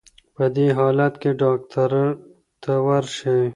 په دې حالت کي ډاکټر ته ورشئ.